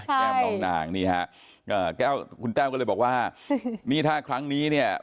แก้วน้องนางนี่ฮะแก้วคุณแต้วก็เลยบอกว่านี่ถ้าครั้งนี้เนี่ย